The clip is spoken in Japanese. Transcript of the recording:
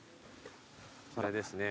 これですね